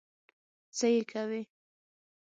څه یې کوې؟